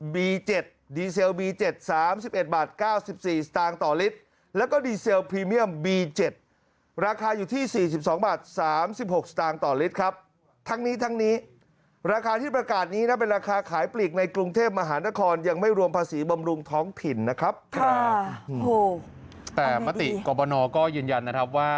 บีเจ็ตดีเซลบีเจ็ตสามสิบเอ็ดบาทเก้าสิบสี่สตางค์ต่อลิตรแล้วก็ดีเซลพรีเมี่ยมบีเจ็ตราคาอยู่ที่สี่สิบสองบาทสามสิบหกสตางค์ต่อลิตรครับทั้งนี้ทั้งนี้ราคาที่ประกาศนี้น่าเป็นราคาขายปลีกในกรุงเทพมหานครยังไม่รวมภาษีบำรุงท้องถิ่นนะครับค่ะโหแต่มติกรบนอก็ยืนยันนะครับ